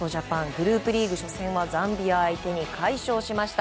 グループリーグ初戦はザンビア相手に快勝しました。